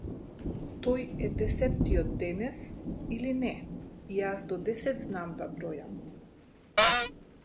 Тој е десетиот денес, или не, јас до десет знам да бројам.